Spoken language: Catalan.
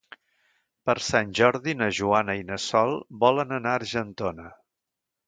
Per Sant Jordi na Joana i na Sol volen anar a Argentona.